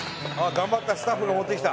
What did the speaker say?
頑張ったスタッフが持ってきた。